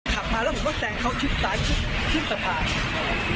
ขับมาแล้วผมก็แซงเขาชิดซ้ายชิดสะพาน